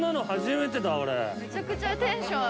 めちゃくちゃテンション。